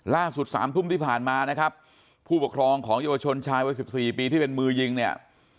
๓ทุ่มที่ผ่านมานะครับผู้ปกครองของเยาวชนชายวัย๑๔ปีที่เป็นมือยิงเนี่ย